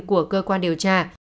của cơ quan điều tra